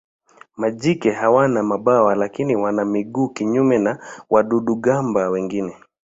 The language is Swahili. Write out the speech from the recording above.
Majike hawana mabawa lakini wana miguu kinyume na wadudu-gamba wengine.